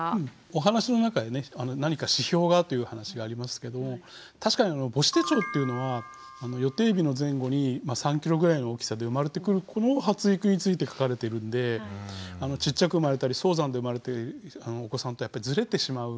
お話の中でね何か指標がという話がありますけど確かに母子手帳っていうのは予定日の前後に３キロぐらいの大きさで生まれてくる子の発育について書かれているんでちっちゃく生まれたり早産で生まれたお子さんとずれてしまうんですね。